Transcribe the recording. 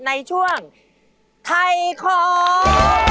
ในช่วงไทยของ